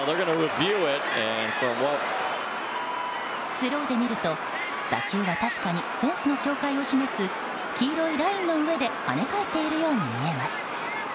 スローで見ると、打球は確かにフェンスの境界を示す黄色いラインの上で跳ね返っているように見えます。